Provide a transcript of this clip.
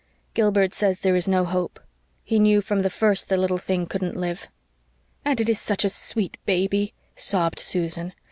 Gilbert says there is no hope. He knew from the first the little thing couldn't live." "And it is such a sweet baby," sobbed Susan.